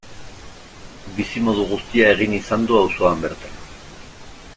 Bizimodu guztia egin izan du auzoan bertan.